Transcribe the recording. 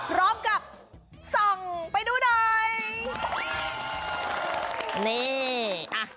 พร้อมกับส่องไปดูหน่อย